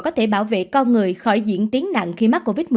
có thể bảo vệ con người khỏi diễn tiến nặng khi mắc covid một mươi chín